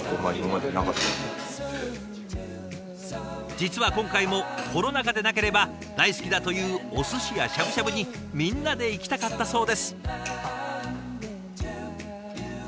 実は今回もコロナ禍でなければ大好きだというおすしやしゃぶしゃぶにみんなで行きたかったそうです。